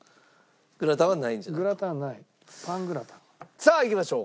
さあいきましょう。